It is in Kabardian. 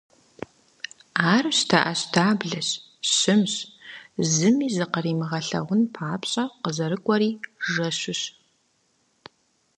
Ар щтэӏэщтаблэщ, щымщ, зыми зыкъримыгъэлъагъун папщӏэ къызэрыкӏуэри жэщущ.